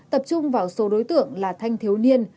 tập trung vào số đối tượng là thanh thiếu niên